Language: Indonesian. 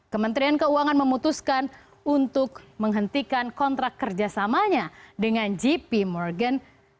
kementerian keuangan memutuskan untuk menghentikan kontrak kerjasamanya dengan gp morgan